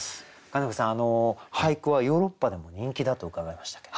金子さん俳句はヨーロッパでも人気だと伺いましたけど。